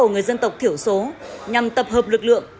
của người dân tộc thiểu số nhằm tập hợp lực lượng